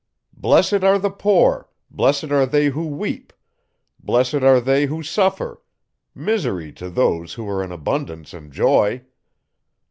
"Blessed are the poor, blessed are they, who weep; blessed are they, who suffer; misery to those, who are in abundance and joy."